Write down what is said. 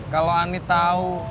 kalau ani tau